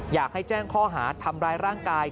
อยากให้แจ้งข้อหาทำร้ายร่างกาย